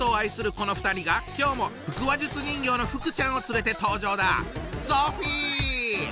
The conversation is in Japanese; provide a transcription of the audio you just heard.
この２人が今日も腹話術人形のふくちゃんを連れて登場だ！